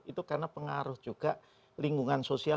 itu karena pengaruh juga lingkungan sosial